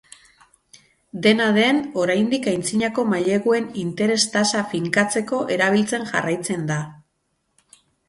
Dena den, oraindik antzinako maileguen interes-tasa finkatzeko erabiltzen jarraitzen da.